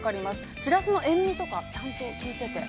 シラスの塩味とかちゃんときいてて。